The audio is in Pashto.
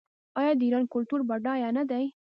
آیا د ایران کلتور بډایه نه دی؟